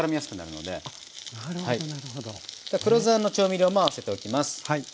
黒酢あんの調味料も合わせておきます。